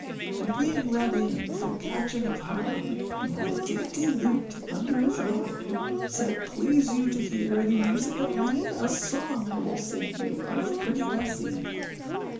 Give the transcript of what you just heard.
And being led in from catching of harm, He had a dainty lute under his arm, Said, âPlease you to hear any music of me, A song I will sing you of pretty Bessee.